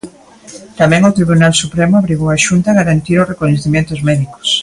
Tamén o Tribunal Supremo obrigou a Xunta a garantir os recoñecementos médicos.